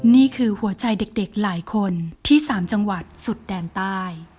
นี่คือหัวใจเด็กหลายคนที่๓จังหวัดสุดแดนใต้